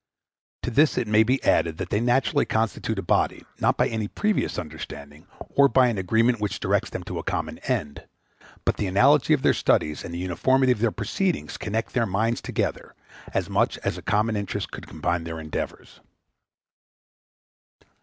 To this it may be added that they naturally constitute a body, not by any previous understanding, or by an agreement which directs them to a common end; but the analogy of their studies and the uniformity of their proceedings connect their minds together, as much as a common interest could combine their endeavors.